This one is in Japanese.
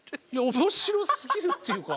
面白すぎるっていうか。